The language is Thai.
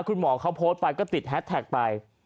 คุณหมอเขาโพสต์ไปก็ติดแฮสแท็กไป